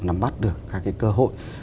nắm bắt được các cái cơ hội